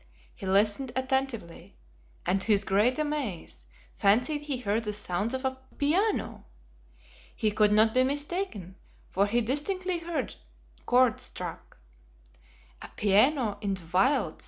He listened attentively, and to his great amaze, fancied he heard the sounds of a piano. He could not be mistaken, for he distinctly heard chords struck. "A piano in the wilds!"